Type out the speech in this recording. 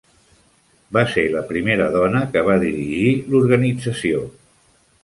Va ser la primera dona que va dirigir l'organització.